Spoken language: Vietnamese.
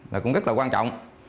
là cũng rất là quan trọng